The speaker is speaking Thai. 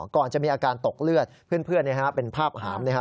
ก่อนจะมีอาการตกเลือดเพื่อนนะครับ